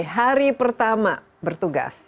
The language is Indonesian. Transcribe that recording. hari pertama bertugas